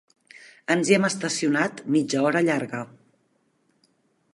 Ens hi hem estacionat mitja hora llarga.